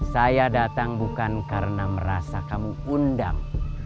saya datang bukan karena merasa kamu undang